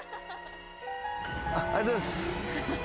ありがとうございます。